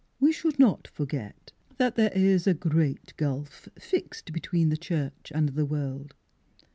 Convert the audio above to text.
" We should not forget that there is a great gulf fixed between the church and the world.